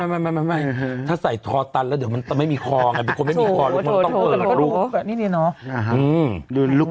ไม่ถ้าใส่ทอตันแล้วเดี๋ยวมันจะไม่มีคอไงเป็นคนไม่มีคอลูกมันต้องเกินหรอกลูก